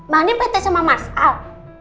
mbak andi bete sama mas al